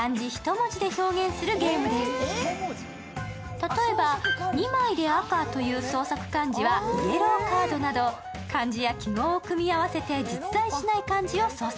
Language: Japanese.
例えば「２枚で赤」という創作漢字はイエローカードなどイエローカードなど感じや記号を組み合わせて実在しない漢字を創作。